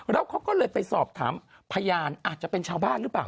แล้วเขาก็เลยไปสอบถามพยานอาจจะเป็นชาวบ้านหรือเปล่า